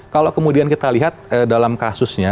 kalau kemudian kita lihat dalam kasusnya